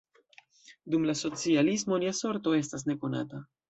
Dum la socialismo lia sorto estas nekonata.